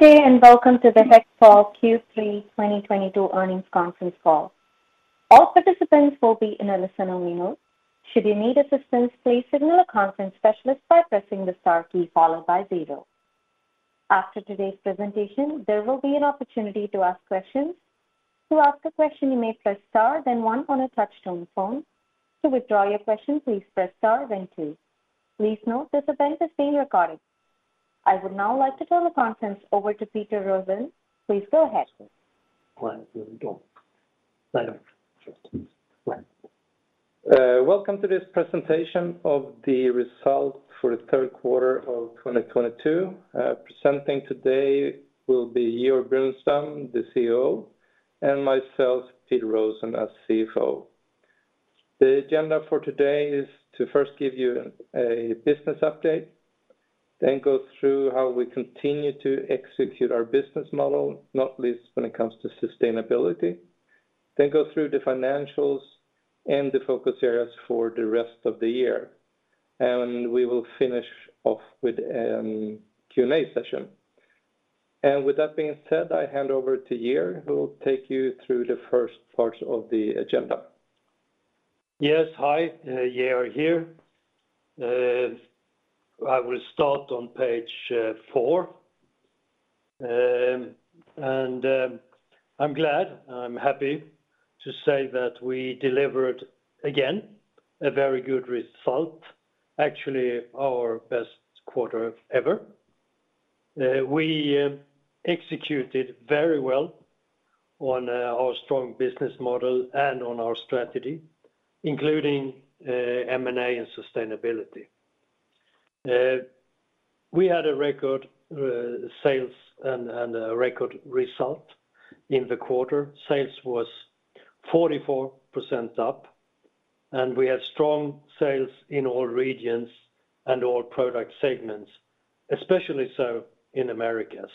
Good day and welcome to the HEXPOL Q3 2022 Earnings Conference Call. All participants will be in a listen-only mode. Should you need assistance, please signal a conference specialist by pressing the star key followed by zero. After today's presentation, there will be an opportunity to ask questions. To ask a question, you may press star then one on a touch-tone phone. To withdraw your question, please press star then two. Please note this event is being recorded. I would now like to turn the conference over to Peter Rosén. Please go ahead. Welcome to this presentation of the result for the third quarter of 2022. Presenting today will be Georg Brunstam, the CEO, and myself, Peter Rosén as CFO. The agenda for today is to first give you a business update, then go through how we continue to execute our business model, not least when it comes to sustainability, then go through the financials and the focus areas for the rest of the year. We will finish off with Q&A session. With that being said, I hand over to Georg, who will take you through the first part of the agenda. Yes. Hi, Georg here. I will start on page four. I'm glad, I'm happy to say that we delivered again a very good result, actually our best quarter ever. We executed very well on our strong business model and on our strategy, including M&A and sustainability. We had a record sales and a record result in the quarter. Sales was 44% up, and we had strong sales in all regions and all product segments, especially so in Americas.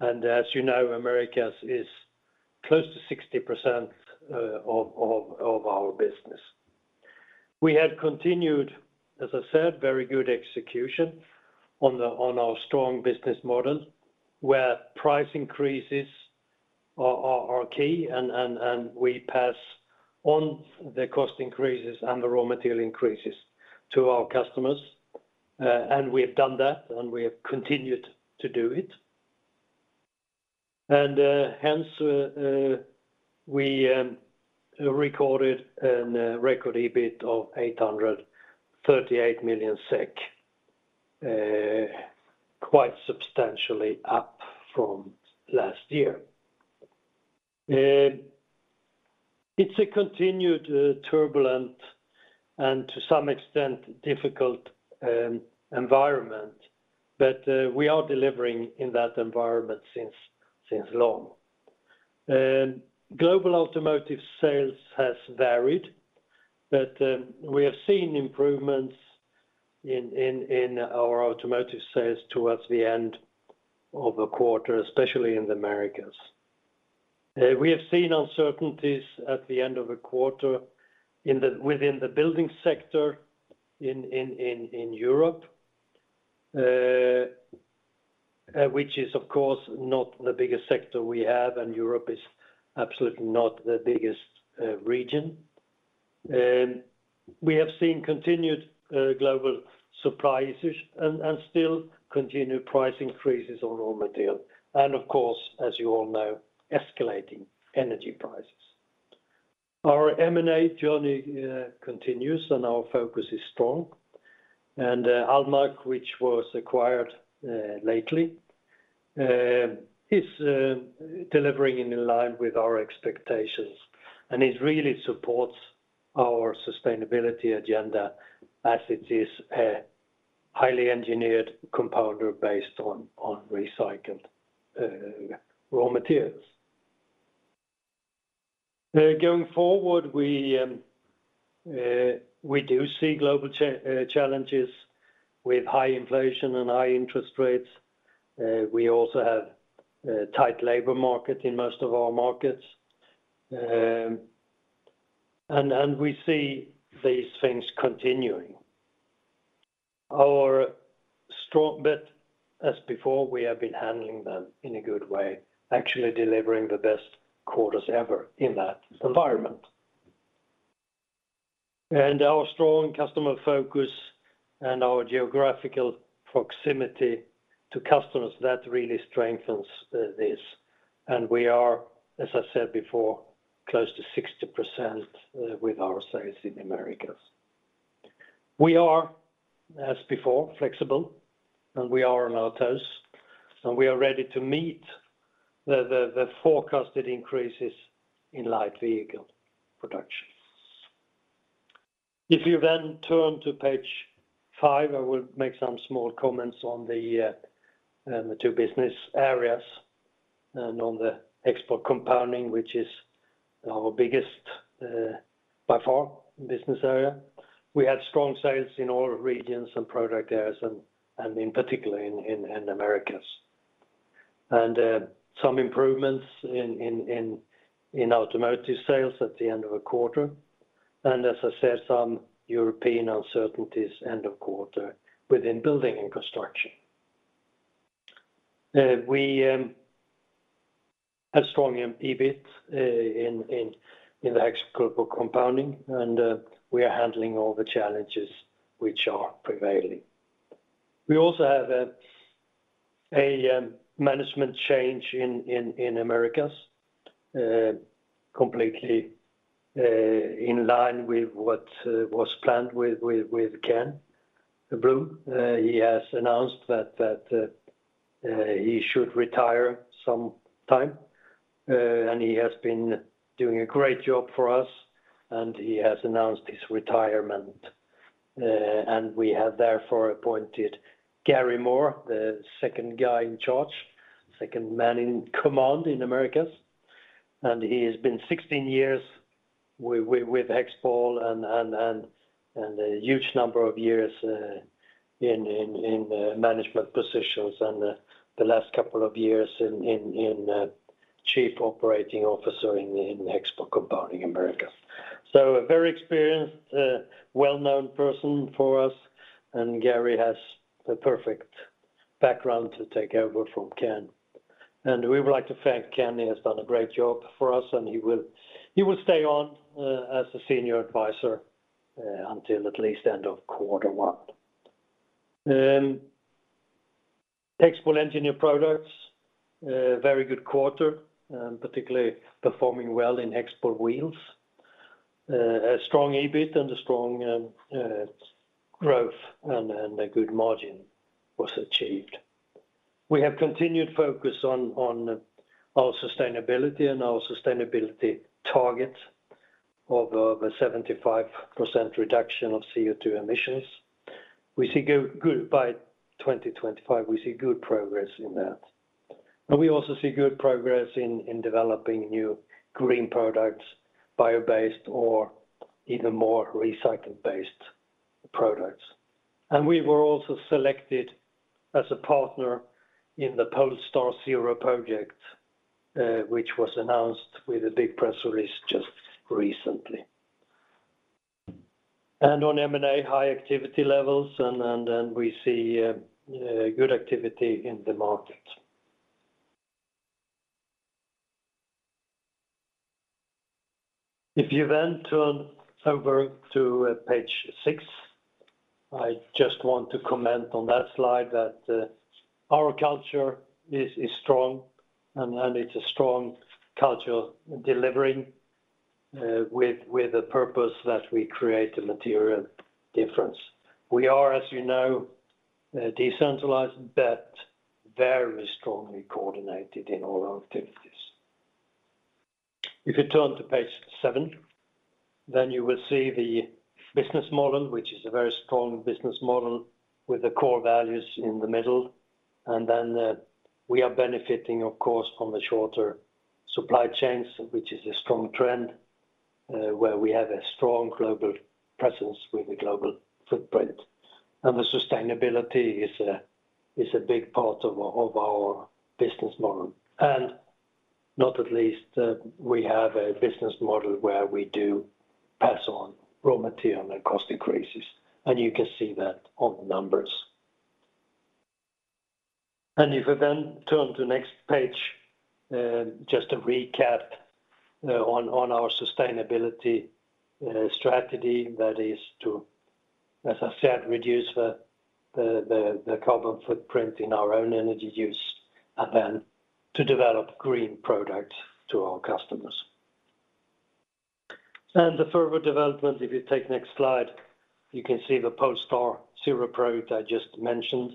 As you know, Americas is close to 60% of our business. We had continued, as I said, very good execution on our strong business model, where price increases are key and we pass on the cost increases and the raw material increases to our customers. We have done that, and we have continued to do it. Hence, we recorded a record EBIT of 838 million SEK, quite substantially up from last year. It's a continued turbulent and to some extent difficult environment, but we are delivering in that environment since long. Global automotive sales has varied, but we have seen improvements in our automotive sales towards the end of the quarter, especially in the Americas. We have seen uncertainties at the end of the quarter within the building sector in Europe, which is of course not the biggest sector we have, and Europe is absolutely not the biggest region. We have seen continued global supply issues and still continued price increases on raw material. Of course, as you all know, escalating energy prices. Our M&A journey continues and our focus is strong. Almaak, which was acquired lately, is delivering in line with our expectations. It really supports our sustainability agenda as it is a highly engineered compounder based on recycled raw materials. Going forward, we do see global challenges with high inflation and high interest rates. We also have a tight labor market in most of our markets, and we see these things continuing. Our strong EBIT as before, we have been handling them in a good way, actually delivering the best quarters ever in that environment. Our strong customer focus and our geographical proximity to customers, that really strengthens this. We are, as I said before, close to 60% with our sales in Americas. We are, as before, flexible, and we are on our toes, and we are ready to meet the forecasted increases in light vehicle production. If you then turn to page five, I will make some small comments on the two business areas and on the HEXPOL Compounding, which is our biggest by far business area. We had strong sales in all regions and product areas and in particular in Americas. Some improvements in automotive sales at the end of a quarter. As I said, some European uncertainties end of quarter within building and construction. We had strong EBIT in the HEXPOL Compounding, and we are handling all the challenges which are prevailing. We also have a management change in Americas, completely in line with what was planned with Ken Bloom. He has announced that he should retire some time. He has been doing a great job for us, and he has announced his retirement. We have therefore appointed Tracy Garrison, the second guy in charge, second man in command in Americas. He has been 16 years with HEXPOL and a huge number of years in management positions, and the last couple of years in chief operating officer in HEXPOL Compounding Americas. A very experienced, well-known person for us, and Tracy Garrison has the perfect background to take over from Ken. We would like to thank Ken. He has done a great job for us, and he will stay on as a senior advisor until at least end of quarter one. HEXPOL Engineered Products, a very good quarter, particularly performing well in HEXPOL Wheels. A strong EBIT and a strong growth and a good margin was achieved. We have continued focus on our sustainability and our sustainability target of over 75% reduction of CO2 emissions. We see good by 2025, we see good progress in that. We also see good progress in developing new green products, bio-based or even more recycled-based products. We were also selected as a partner in the Polestar 0 project, which was announced with a big press release just recently. On M&A, high activity levels, we see good activity in the market. If you then turn over to page six, I just want to comment on that slide that our culture is strong and it's a strong culture delivering with a purpose that we create a material difference. We are, as you know, decentralized, but very strongly coordinated in all our activities. If you turn to page seven, then you will see the business model, which is a very strong business model, with the core values in the middle. We are benefiting, of course, from the shorter supply chains, which is a strong trend where we have a strong global presence with a global footprint. The sustainability is a big part of our business model. Last but not least, we have a business model where we do pass on raw material and cost increases, and you can see that on the numbers. If you then turn to next page, just a recap on our sustainability strategy, that is to, as I said, reduce the carbon footprint in our own energy use, and then to develop green products to our customers. The further development, if you take next slide, you can see the Polestar 0 project I just mentioned.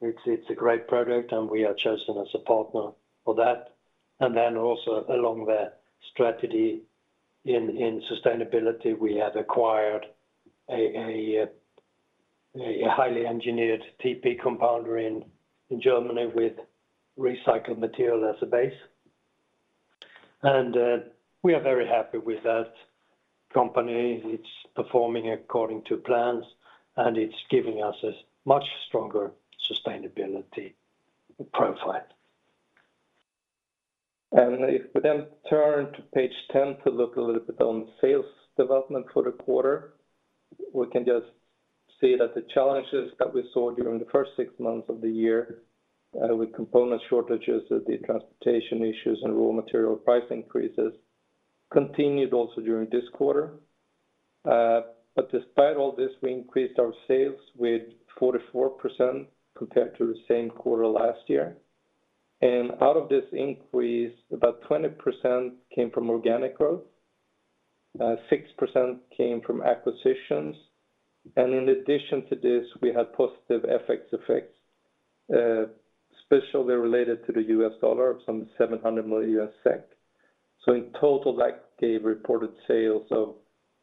It's a great product, and we are chosen as a partner for that. Then also along the strategy in sustainability, we have acquired a highly engineered TPE compounder in Germany with recycled material as a base. We are very happy with that company. It's performing according to plans, and it's giving us a much stronger sustainability profile. If we then turn to page 10 to look a little bit on sales development for the quarter, we can just see that the challenges that we saw during the first six months of the year, with component shortages, the transportation issues, and raw material price increases, continued also during this quarter. Despite all this, we increased our sales with 44% compared to the same quarter last year. Out of this increase, about 20% came from organic growth, 6% came from acquisitions, and in addition to this, we had positive FX effects, especially related to the U.S. dollar of some $700 million. In total, that gave reported sales of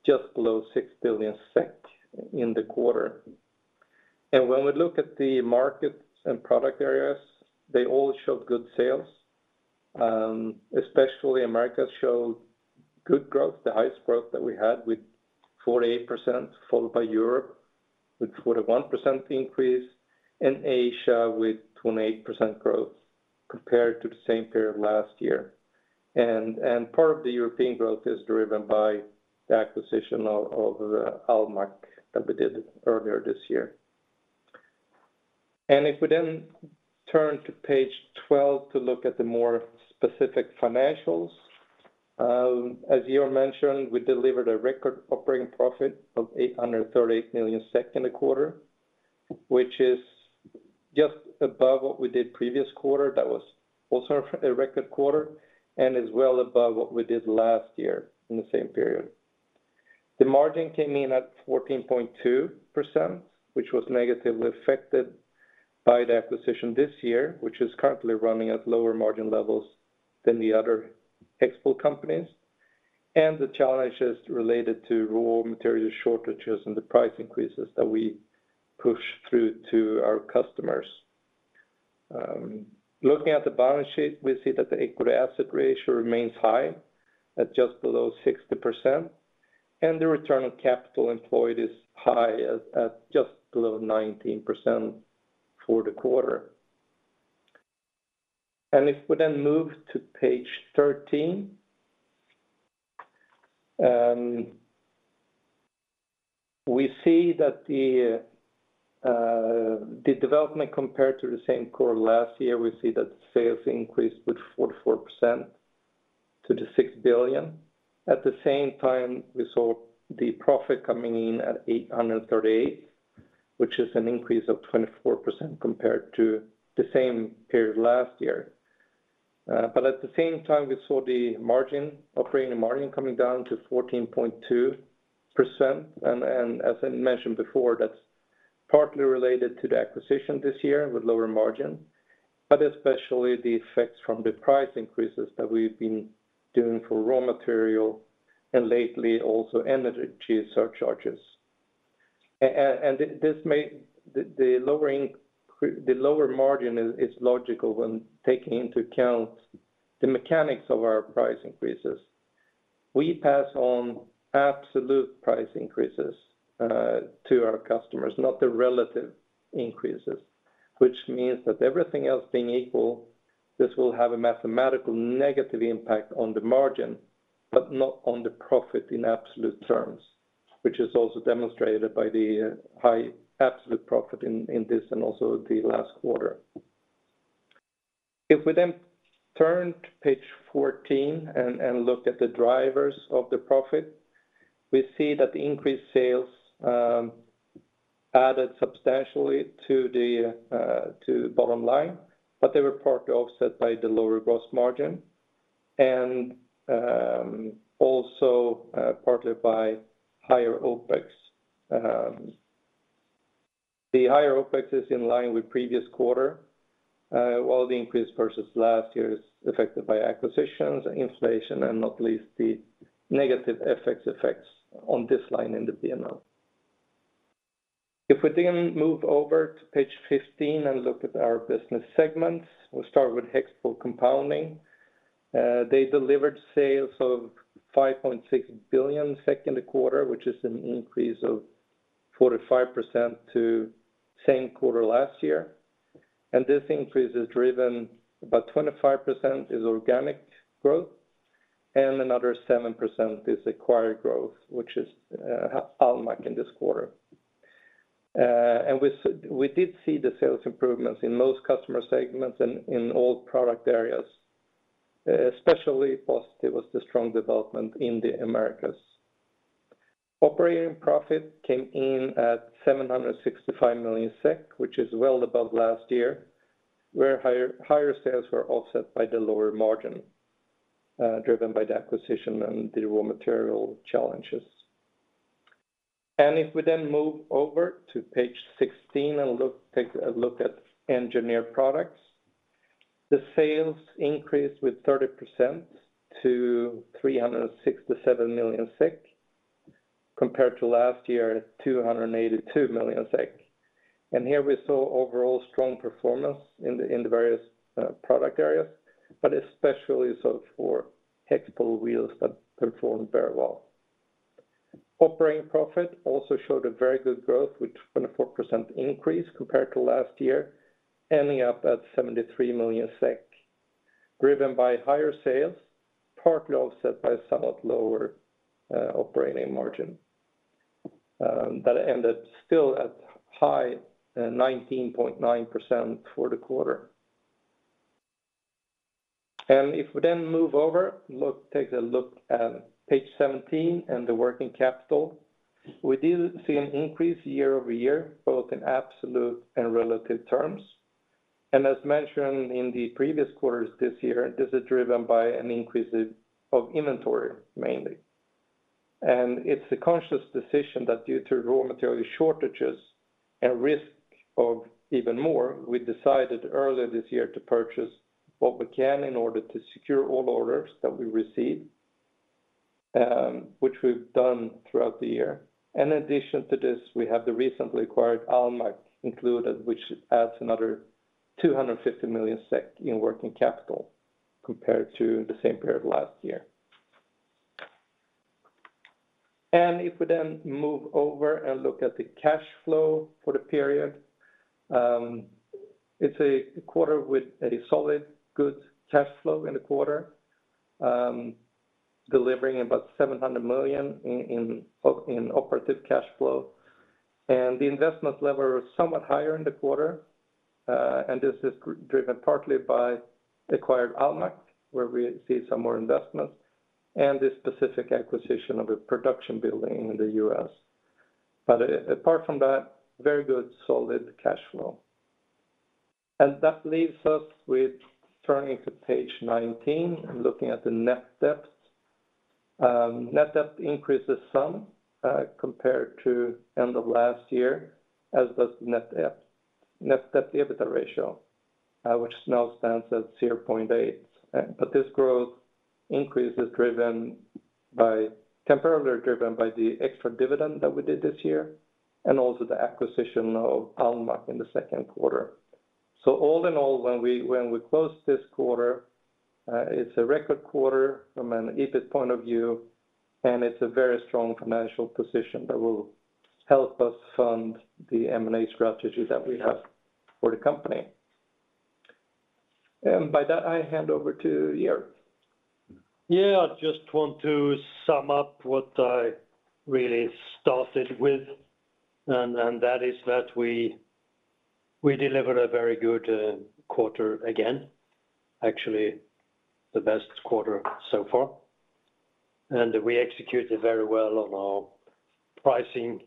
just below 6 billion SEK in the quarter. When we look at the markets and product areas, they all show good sales. Especially America showed good growth, the highest growth that we had with 48%, followed by Europe with 41% increase, and Asia with 28% growth compared to the same period last year. Part of the European growth is driven by the acquisition of Almaak that we did earlier this year. If we then turn to page 12 to look at the more specific financials, as Georg mentioned, we delivered a record operating profit of 838 million SEK in the quarter, which is just above what we did previous quarter. That was also a record quarter, and is well above what we did last year in the same period. The margin came in at 14.2%, which was negatively affected by the acquisition this year, which is currently running at lower margin levels than the other HEXPOL companies. The challenges related to raw material shortages and the price increases that we push through to our customers. Looking at the balance sheet, we see that the equity asset ratio remains high at just below 60%, and the return on capital employed is high at just below 19% for the quarter. If we then move to page 13, we see that the development compared to the same quarter last year, we see that sales increased with 44% to 6 billion. At the same time, we saw the profit coming in at 838, which is an increase of 24% compared to the same period last year. At the same time, we saw the margin, operating margin coming down to 14.2%. As I mentioned before, that's partly related to the acquisition this year with lower margin, but especially the effects from the price increases that we've been doing for raw material and lately also energy surcharges. The lower margin is logical when taking into account the mechanics of our price increases. We pass on absolute price increases to our customers, not the relative increases, which means that everything else being equal, this will have a mathematical negative impact on the margin, but not on the profit in absolute terms, which is also demonstrated by the high absolute profit in this and also the last quarter. If we then turn to page 14 and look at the drivers of the profit, we see that the increased sales added substantially to the bottom line, but they were partly offset by the lower gross margin and also partly by higher OPEX. The higher OPEX is in line with previous quarter while the increase versus last year is affected by acquisitions, inflation, and not least the negative FX effects on this line in the P&L. If we then move over to page 15 and look at our business segments, we'll start with HEXPOL Compounding. They delivered sales of 5.6 billion second quarter, which is an increase of 45% to same quarter last year. This increase is driven, about 25% is organic growth, and another 7% is acquired growth, which is Almaak in this quarter. We did see the sales improvements in most customer segments and in all product areas, especially positive was the strong development in the Americas. Operating profit came in at 765 million SEK, which is well above last year, where higher sales were offset by the lower margin, driven by the acquisition and the raw material challenges. If we then move over to page 16 and take a look at Engineered Products, the sales increased with 30% to 367 million SEK compared to last year at 282 million SEK. Here we saw overall strong performance in the various product areas, but especially so for HEXPOL Wheels that performed very well. Operating profit also showed a very good growth with 24% increase compared to last year, ending up at 73 million SEK, driven by higher sales, partly offset by somewhat lower operating margin that ended still at high 19.9% for the quarter. If we then move over to page 17 and take a look at the working capital, we did see an increase year-over-year, both in absolute and relative terms. As mentioned in the previous quarters this year, this is driven by an increase of inventory mainly. It's a conscious decision that due to raw material shortages and risk of even more, we decided earlier this year to purchase what we can in order to secure all orders that we receive, which we've done throughout the year. In addition to this, we have the recently acquired Almaak included, which adds another 250 million SEK in working capital compared to the same period last year. If we then move over and look at the cash flow for the period, it's a quarter with a solid good cash flow in the quarter, delivering about 700 million in operating cash flow. The investment level is somewhat higher in the quarter, and this is driven partly by acquired Almaak, where we see some more investments and the specific acquisition of a production building in the U.S. Apart from that, very good solid cash flow. That leaves us with turning to page 19 and looking at the net debt. Net debt increases some, compared to end of last year, as does net debt to EBITDA ratio, which now stands at 0.8. This growth increase is temporarily driven by the extra dividend that we did this year, and also the acquisition of Almaak in the second quarter. All in all, when we close this quarter, it's a record quarter from an EBIT point of view, and it's a very strong financial position that will help us fund the M&A strategy that we have for the company. By that, I hand over to Georg. Yeah, I just want to sum up what I really started with, and that is that we delivered a very good quarter again, actually the best quarter so far. We executed very well on our pricing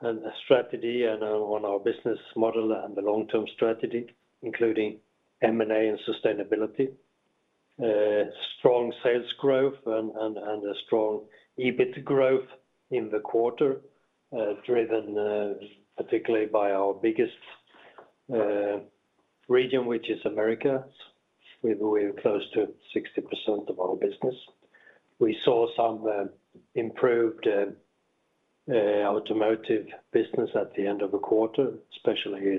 and strategy and on our business model and the long-term strategy, including M&A and sustainability. Strong sales growth and a strong EBIT growth in the quarter, driven particularly by our biggest region, which is Americas, with close to 60% of our business. We saw some improved automotive business at the end of the quarter, especially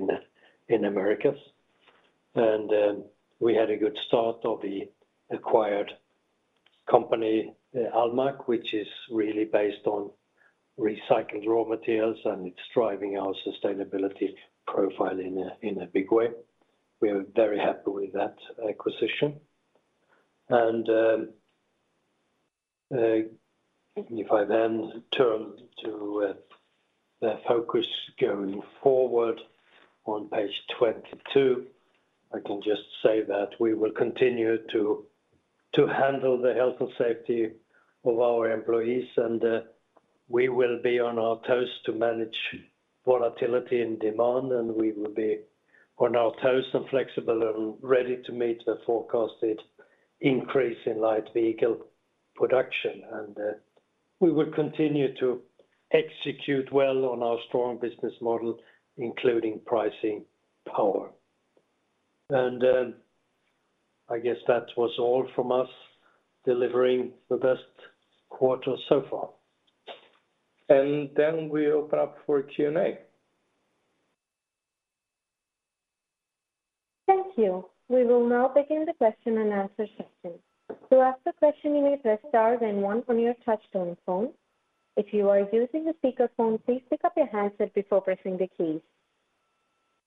in Americas. We had a good start of the acquired company, Almaak, which is really based on recycled raw materials, and it's driving our sustainability profile in a big way. We are very happy with that acquisition. If I then turn to the focus going forward on page 22, I can just say that we will continue to handle the health and safety of our employees, and we will be on our toes to manage volatility and demand, and we will be on our toes and flexible and ready to meet the forecasted increase in light vehicle production. We will continue to execute well on our strong business model, including pricing power. I guess that was all from us delivering the best quarter so far. We open up for Q&A. Thank you. We will now begin the question-and-answer session. To ask a question, you may press star then one on your touchtone phone. If you are using a speakerphone, please pick up your handset before pressing the keys.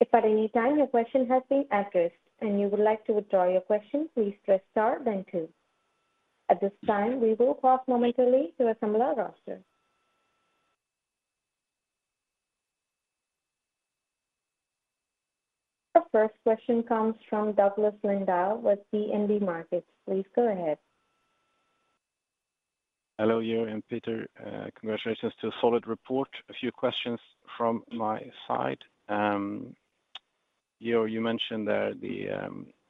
If at any time your question has been addressed and you would like to withdraw your question, please press star then two. At this time, we will pause momentarily to assemble our roster. The first question comes from Douglas Lindahl with DNB Markets. Please go ahead. Hello, Georg and Peter. Congratulations to a solid report. A few questions from my side. Georg, you mentioned that the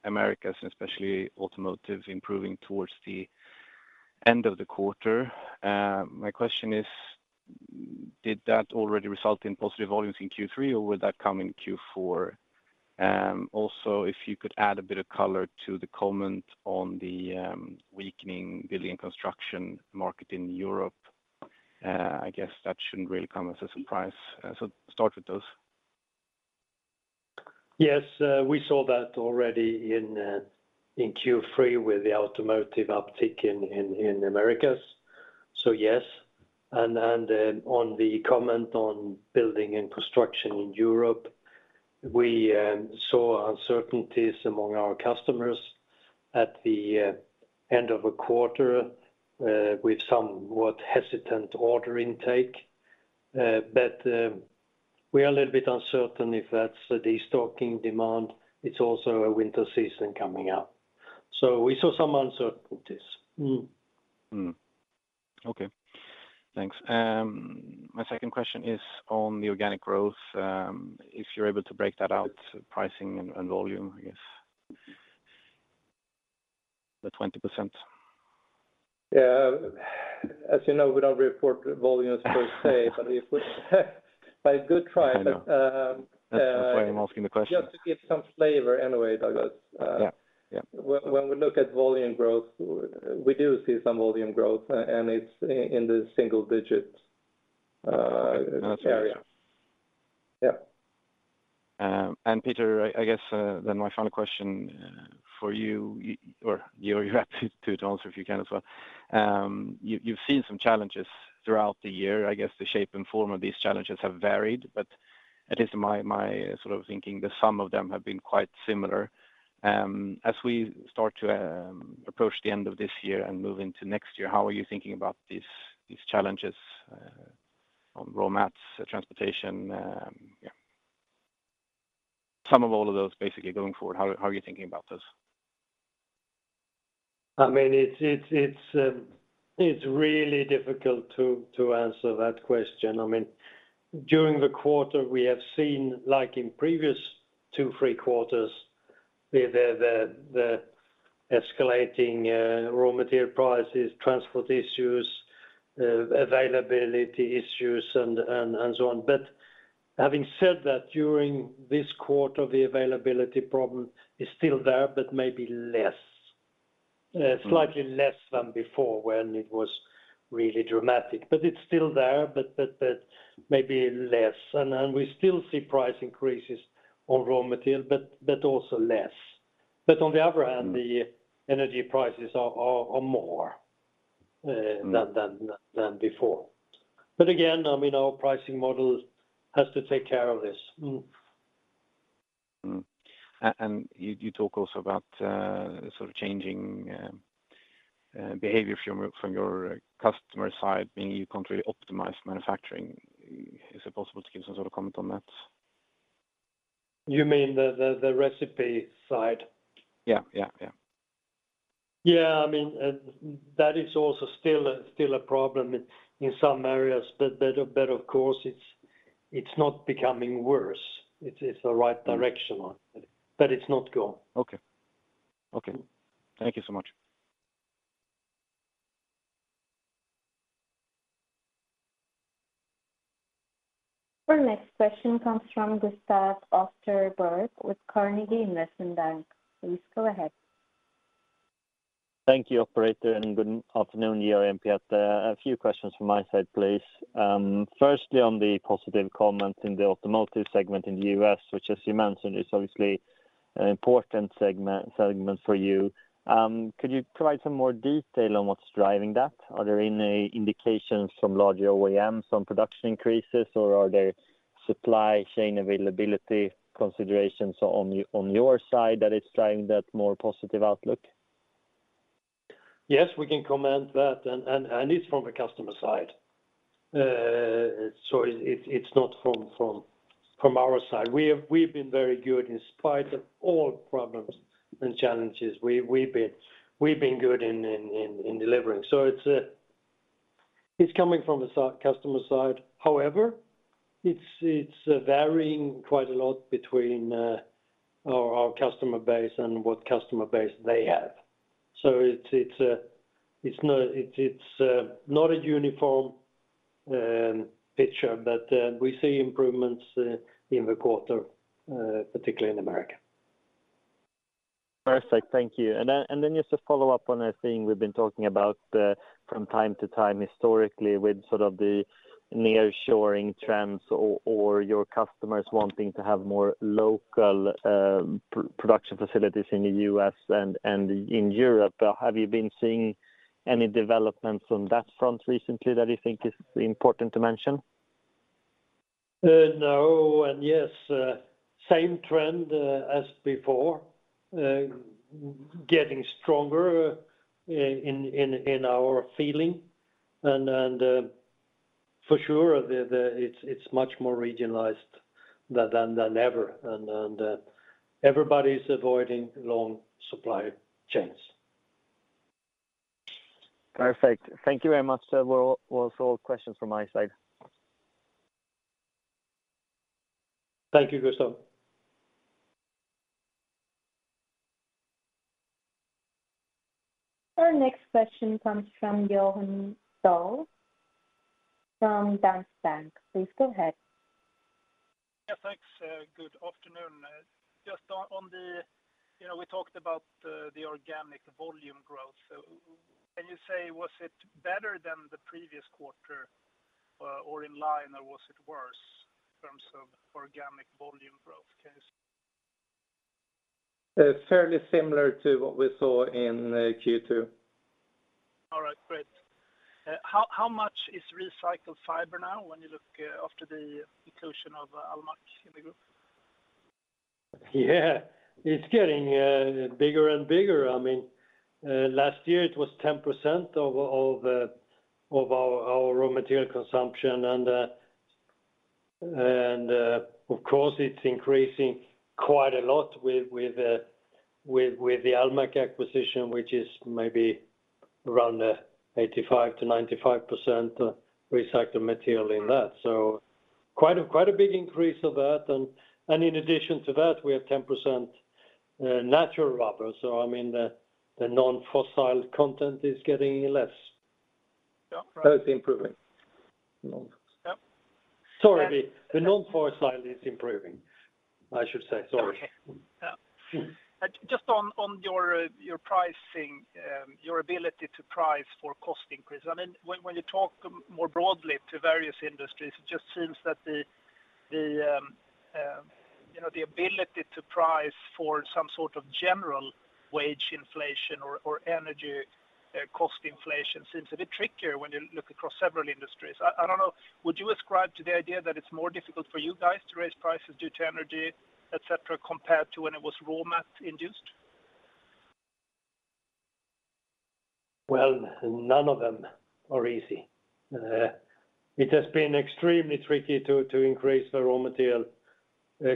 Americas, especially automotive, improving towards the end of the quarter. My question is, did that already result in positive volumes in Q3, or will that come in Q4? Also, if you could add a bit of color to the comment on the weakening building construction market in Europe. I guess that shouldn't really come as a surprise. Start with those. Yes. We saw that already in Q3 with the automotive uptick in Americas. Yes. On the comment on building and construction in Europe, we saw uncertainties among our customers at the end of a quarter with somewhat hesitant order intake. We are a little bit uncertain if that's the destocking demand. It's also a winter season coming up. We saw some uncertainties. Okay. Thanks. My second question is on the organic growth. If you're able to break that out, pricing and volume, I guess, the 20%. Yeah. As you know, we don't report volumes per se. A good try. That's why I'm asking the question. Just to give some flavor anyway, Douglas. Yeah. Yeah. When we look at volume growth, we do see some volume growth, and it's in the single digits area. That's right. Yeah. Peter, I guess then my final question for you, or you have to answer if you can as well. You've seen some challenges throughout the year. I guess the shape and form of these challenges have varied, but at least in my sort of thinking that some of them have been quite similar. As we start to approach the end of this year and move into next year, how are you thinking about these challenges on raw mats, transportation. Yeah. Some of all of those basically going forward, how are you thinking about this. I mean, it's really difficult to answer that question. I mean, during the quarter, we have seen, like in previous two, three quarters, the escalating raw material prices, transport issues, availability issues, and so on. Having said that, during this quarter, the availability problem is still there, but maybe less. Mm-hmm. Slightly less than before when it was really dramatic. It's still there, but maybe less. We still see price increases on raw material, but also less. On the other hand Mm. The energy prices are more. Mm. Than before. Again, I mean, our pricing model has to take care of this. You talk also about sort of changing behavior from your customer side, meaning you can't really optimize manufacturing. Is it possible to give some sort of comment on that? You mean the recipe side? Yeah, yeah. Yeah. I mean, that is also still a problem in some areas, but of course, it's not becoming worse. It's the right direction on. It's not gone. Okay. Okay. Thank you so much. Our next question comes from Gustav Österberg with Carnegie Investment Bank. Please go ahead. Thank you, operator, and good afternoon to you and Peter. A few questions from my side, please. Firstly, on the positive comment in the automotive segment in the U.S., which, as you mentioned, is obviously an important segment for you. Could you provide some more detail on what's driving that? Are there any indications from large OEMs on production increases, or are there supply chain availability considerations on your side that is driving that more positive outlook? Yes, we can comment that, it's from a customer side. It's not from our side. We've been very good in spite of all problems and challenges. We've been good in delivering. It's coming from the customer side. However, it's varying quite a lot between our customer base and what customer base they have. It's not a uniform picture, but we see improvements in the quarter, particularly in America. Perfect. Thank you. Just to follow up on a thing we've been talking about from time to time historically with sort of the nearshoring trends or your customers wanting to have more local production facilities in the U.S. and in Europe. Have you been seeing any developments on that front recently that you think is important to mention? No and yes, same trend as before, getting stronger in our feeling. For sure, it's much more regionalized than ever, and everybody's avoiding long supply chains. Perfect. Thank you very much. That was all questions from my side. Thank you, Gustav. Our next question comes from Johan Dahl from Danske Bank. Please go ahead. Yeah, thanks. Good afternoon. Just on the organic volume growth. You know, we talked about the organic volume growth. Can you say, was it better than the previous quarter, or in line, or was it worse in terms of organic volume growth case? Fairly similar to what we saw in Q2. All right, great. How much is recycled rubber now when you look after the inclusion of Almaak in the group? Yeah. It's getting bigger and bigger. I mean, last year it was 10% of our raw material consumption. Of course, it's increasing quite a lot with the Almaak acquisition, which is maybe around 85%-95% recycled material in that. So quite a big increase of that. In addition to that we have 10% natural rubber. I mean, the non-fossil content is getting less. Yeah. Right. It's improving. Yep. Sorry. The non-fossil is improving, I should say. Sorry. Okay. Yeah. Just on your pricing, your ability to price for cost increase. I mean, when you talk more broadly to various industries, it just seems that you know, the ability to price for some sort of general wage inflation or energy cost inflation seems a bit trickier when you look across several industries. I don't know, would you ascribe to the idea that it's more difficult for you guys to raise prices due to energy, et cetera, compared to when it was raw mat induced? Well, none of them are easy. It has been extremely tricky to increase the raw material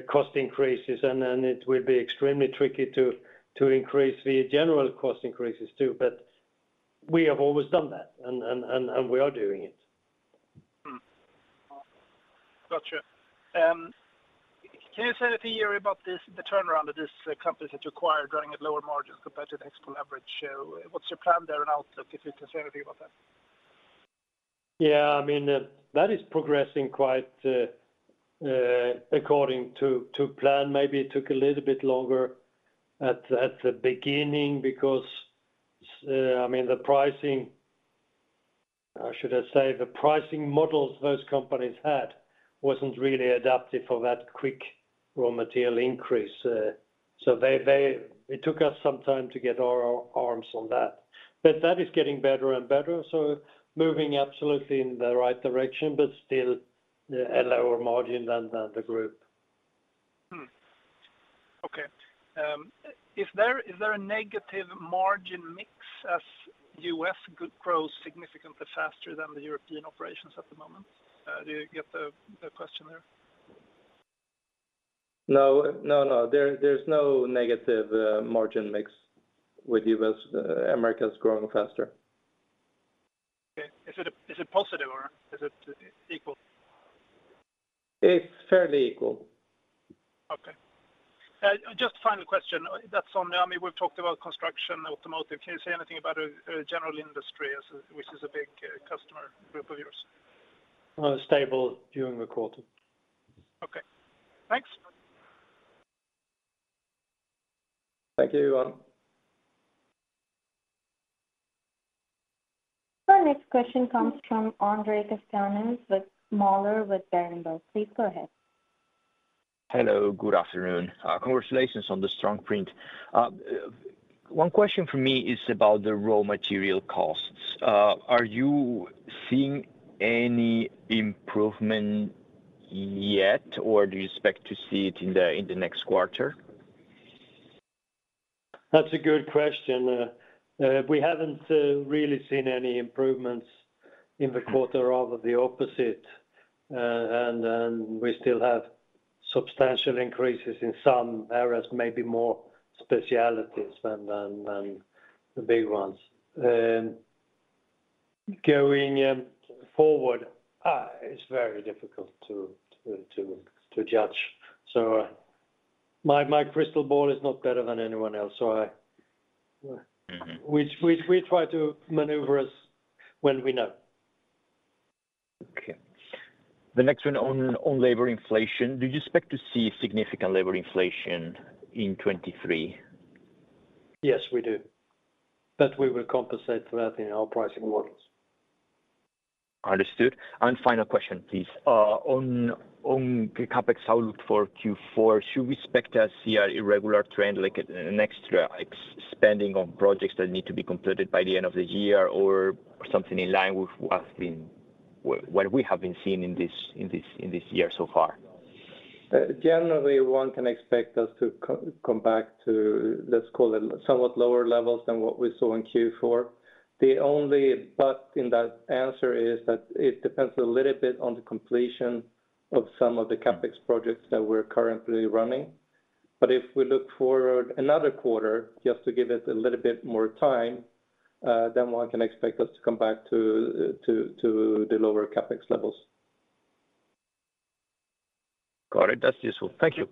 cost increases, and then it will be extremely tricky to increase the general cost increases too. We have always done that and we are doing it. Gotcha. Can you say anything, Georg, about this, the turnaround of this companies that you acquired running at lower margins compared to the HEXPOL average? What's your plan there and outlook, if you can say anything about that? Yeah. I mean, that is progressing quite according to plan. Maybe it took a little bit longer at the beginning because, I mean, the pricing, or should I say, the pricing models those companies had wasn't really adapted for that quick raw material increase. It took us some time to get our arms around that. That is getting better and better, so moving absolutely in the right direction, but still at a lower margin than the group. Is there a negative margin mix as U.S. grows significantly faster than the European operations at the moment? Do you get the question there? No, no. There's no negative margin mix with U.S. America's growing faster. Okay. Is it positive or is it equal? It's fairly equal. Okay. Just final question. That's on, I mean, we've talked about construction, automotive. Can you say anything about general industry, which is a big customer group of yours? Stable during the quarter. Okay. Thanks. Thank you, Johan. Our next question comes from Andres Castanos-Mollor with Berenberg. Please go ahead. Hello, good afternoon. Congratulations on the strong print. One question from me is about the raw material costs. Are you seeing any improvement yet, or do you expect to see it in the next quarter? That's a good question. We haven't really seen any improvements in the quarter, rather the opposite. We still have substantial increases in some areas, maybe more specialties than the big ones. Going forward, it's very difficult to judge. My crystal ball is not better than anyone else. Mm-hmm. We try to maneuver us when we know. Okay. The next one on labor inflation, do you expect to see significant labor inflation in 2023? Yes, we do. We will compensate for that in our pricing models. Understood. Final question, please. On CapEx outlook for Q4, should we expect to see an irregular trend, like an extra, like, spending on projects that need to be completed by the end of the year or something in line with what we have been seeing in this year so far? Generally one can expect us to come back to, let's call it, somewhat lower levels than what we saw in Q4. The only but in that answer is that it depends a little bit on the completion of some of the CapEx projects that we're currently running. If we look forward another quarter, just to give it a little bit more time, then one can expect us to come back to the lower CapEx levels. Got it. That's useful. Thank you.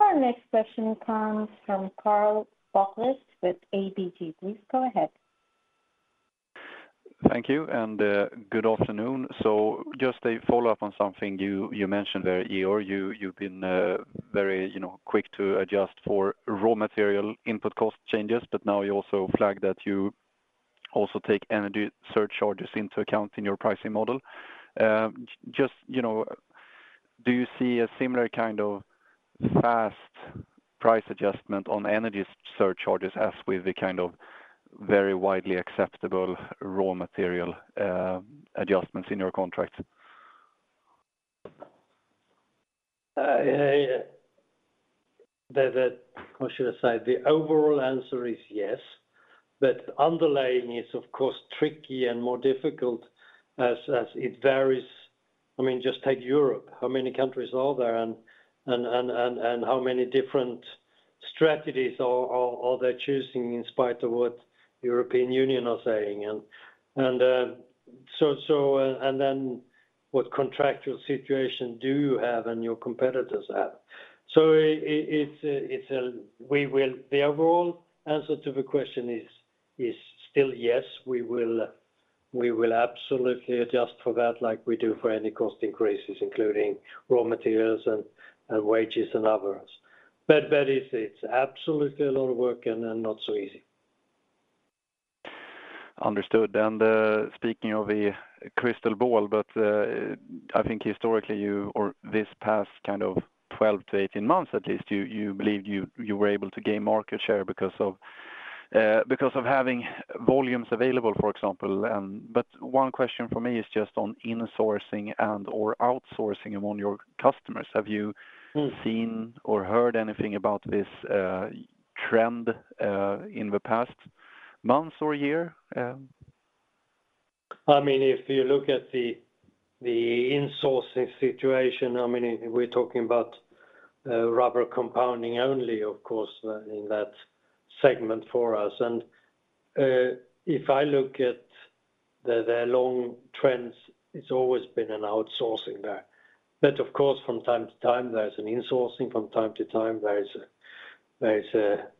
Our next question comes from Karl Bokvist with ABG. Please go ahead. Thank you, and good afternoon. Just a follow-up on something you mentioned there, Georg. You've been very, you know, quick to adjust for raw material input cost changes, but now you also flagged that you also take energy surcharges into account in your pricing model. Just, you know, do you see a similar kind of fast price adjustment on energy surcharges as with the kind of very widely acceptable raw material adjustments in your contracts? Yeah. How should I say? The overall answer is yes, but underlying is of course tricky and more difficult as it varies. I mean, just take Europe, how many countries are there and how many different strategies or they're choosing in spite of what European Union are saying and so and then what contractual situation do you have and your competitors have? The overall answer to the question is still yes, we will absolutely adjust for that like we do for any cost increases, including raw materials and wages and others. It's absolutely a lot of work and not so easy. Understood. Speaking of a crystal ball, I think historically you or this past kind of 12-18 months at least you believed you were able to gain market share because of having volumes available, for example. One question for me is just on insourcing and/or outsourcing among your customers. Have you- Mm. -seen or heard anything about this, trend, in the past month or year? I mean, if you look at the insourcing situation, I mean, we're talking about rubber compounding only of course in that segment for us. If I look at the long trends, it's always been an outsourcing there. Of course from time to time there's an insourcing, from time to time there is a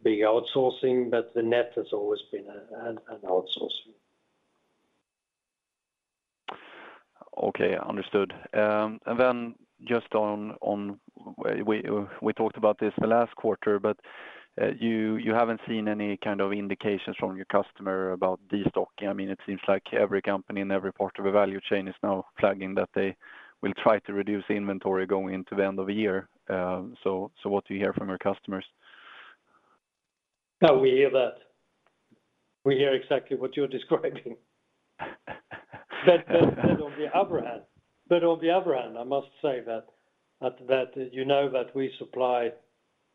big outsourcing, but the net has always been an outsourcing. Okay, understood. Just on, we talked about this the last quarter, but you haven't seen any kind of indications from your customer about destocking. I mean, it seems like every company in every part of the value chain is now flagging that they will try to reduce inventory going into the end of the year. What do you hear from your customers? Yeah, we hear that. We hear exactly what you're describing. On the other hand, I must say that you know that we supply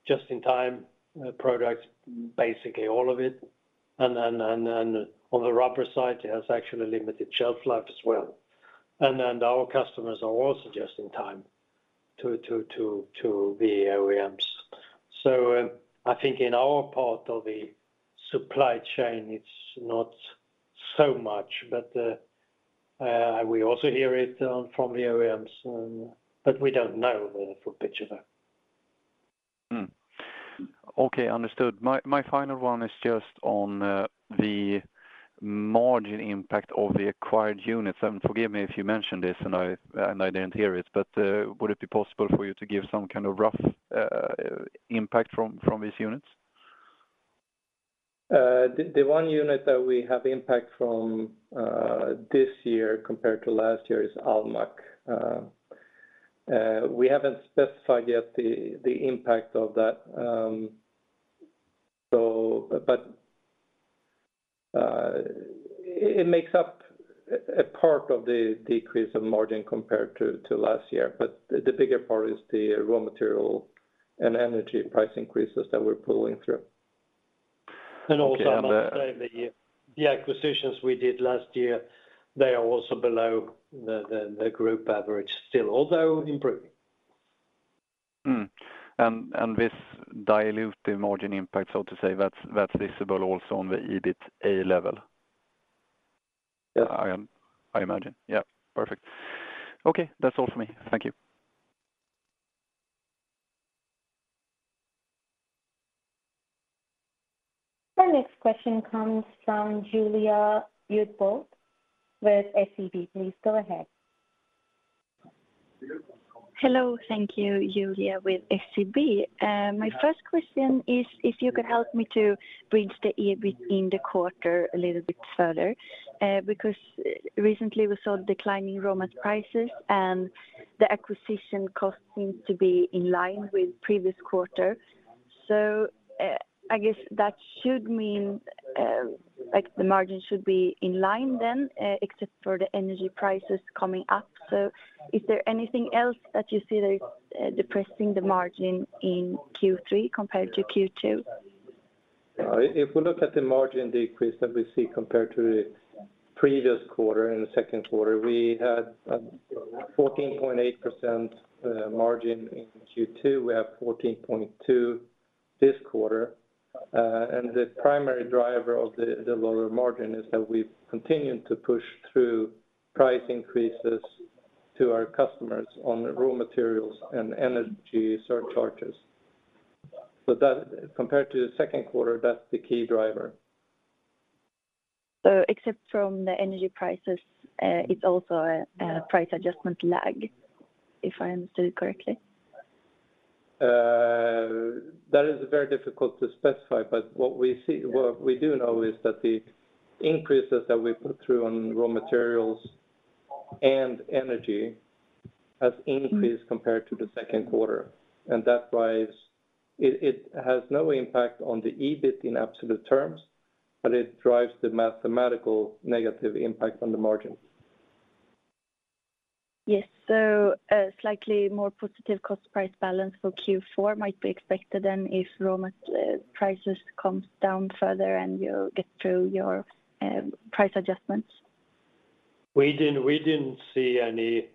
just-in-time products, basically all of it. On the rubber side, it has actually limited shelf life as well. Our customers are also just-in-time to the OEMs. I think in our part of the supply chain, it's not so much. We also hear it from the OEMs, but we don't know the full picture there. My final one is just on the margin impact of the acquired units. Forgive me if you mentioned this and I didn't hear it, but would it be possible for you to give some kind of rough impact from these units? The one unit that we have impact from this year compared to last year is Almaak. We haven't specified yet the impact of that. It makes up a part of the decrease of margin compared to last year. The bigger part is the raw material and energy price increases that we're pulling through. Okay. I must say the acquisitions we did last year, they are also below the group average still, although improving. This dilutive margin impact, so to say, that's visible also on the EBITDA level? Yeah. I imagine. Yeah. Perfect. Okay. That's all for me. Thank you. Our next question comes from Julia Utbult with SEB. Please go ahead. Hello. Thank you. Julia with SEB. My first question is if you could help me to bridge the EBIT in the quarter a little bit further, because recently we saw declining raw material prices and the acquisition costs seems to be in line with previous quarter. I guess that should mean, like, the margin should be in line then, except for the energy prices coming up. Is there anything else that you see that is depressing the margin in Q3 compared to Q2? If we look at the margin decrease that we see compared to the previous quarter, in the second quarter, we had 14.8% margin in Q2. We have 14.2% this quarter. The primary driver of the lower margin is that we've continued to push through price increases to our customers on raw materials and energy surcharges. That, compared to the second quarter, that's the key driver. Except for the energy prices, it's also a price adjustment lag, if I understood correctly? That is very difficult to specify, but what we see, what we do know is that the increases that we put through on raw materials and energy has increased compared to the second quarter, and that drives. It has no impact on the EBIT in absolute terms, but it drives the mathematical negative impact on the margin. Yes. A slightly more positive cost price balance for Q4 might be expected then if raw material prices come down further and you get through your price adjustments? We didn't see any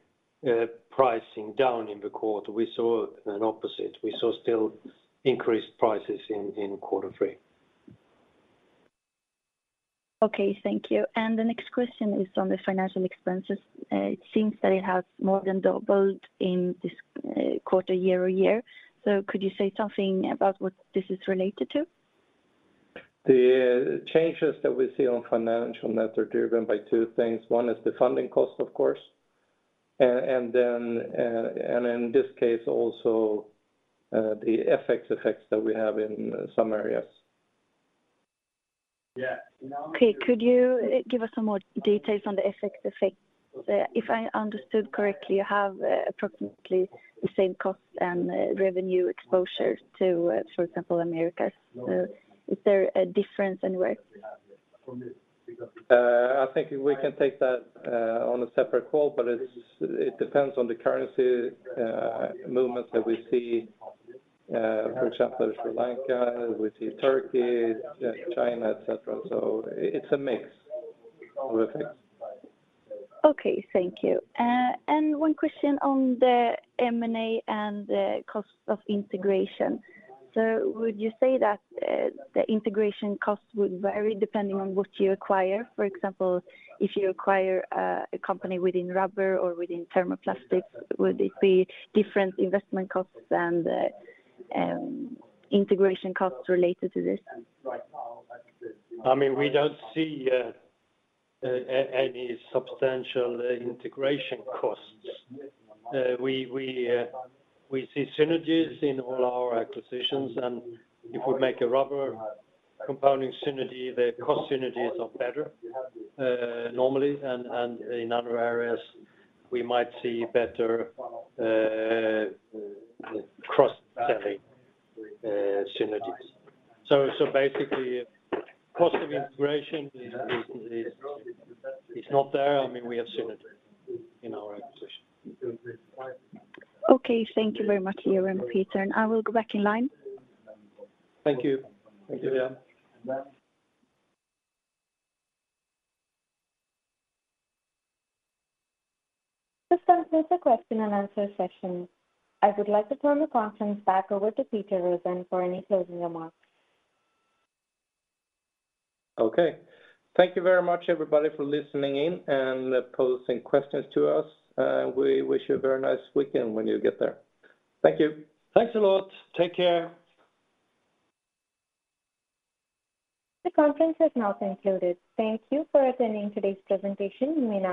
pricing down in the quarter. We saw an opposite. We saw still increased prices in quarter three. Okay, thank you. The next question is on the financial expenses. It seems that it has more than doubled in this quarter, year-over-year. Could you say something about what this is related to? The changes that we see on financial net are driven by two things. One is the funding cost, of course, and then in this case also, the FX effects that we have in some areas. Yeah. Okay. Could you give us some more details on the FX effects? If I understood correctly, you have approximately the same cost and revenue exposure to, for example, Americas. Is there a difference anywhere? I think we can take that on a separate call, but it depends on the currency movements that we see, for example, Sri Lanka, we see Turkey, China, et cetera. It's a mix of effects. Okay, thank you. One question on the M&A and the cost of integration. Would you say that the integration cost would vary depending on what you acquire? For example, if you acquire a company within rubber or within thermoplastics, would it be different investment costs and integration costs related to this? I mean, we don't see any substantial integration costs. We see synergies in all our acquisitions, and if we make a rubber compounding synergy, the cost synergies are better, normally. In other areas, we might see better cross-selling synergies. Basically cost of integration is not there. I mean, we have synergy in our acquisition. Okay, thank you very much, Georg and Peter, and I will go back in line. Thank you. Thank you. This concludes the question and answer session. I would like to turn the conference back over to Peter Rosén for any closing remarks. Okay. Thank you very much, everybody, for listening in and posing questions to us. We wish you a very nice weekend when you get there. Thank you. Thanks a lot. Take care. The conference has now concluded. Thank you for attending today's presentation. You may now.